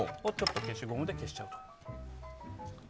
消しゴムで消しちゃう。